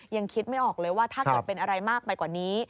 ยังคิดไม่ออกเลยว่าถ้าเกิดเป็นอะไรมากไปกว่านี้